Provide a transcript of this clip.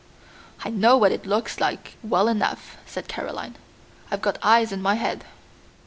"I know what it looks like well enough," said Caroline. "I've got eyes in my head."